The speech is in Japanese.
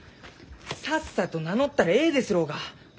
さっさと名乗ったらえいですろうが！